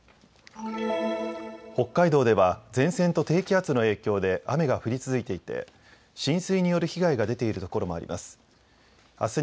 北海道では前線と低気圧の影響で雨が降り続いていて浸水による被害が出ているところもあります。